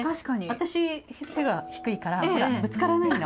私背が低いからほらぶつからないの。